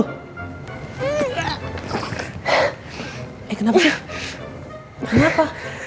eh kenapa sih